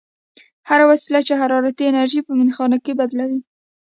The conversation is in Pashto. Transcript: هره وسیله چې حرارتي انرژي په میخانیکي بدلوي.